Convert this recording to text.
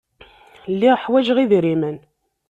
Lliɣ ḥwajeɣ idrimen.